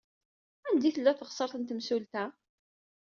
Anda tella teɣsert n temsulta?